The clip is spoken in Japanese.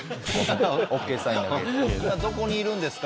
今どこにいるんですか？